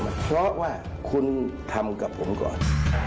เพราะว่าคุณทำกับผมก่อน